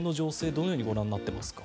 どのようにご覧になっていますか？